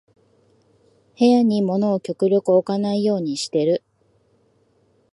部屋に物を極力置かないようにしてる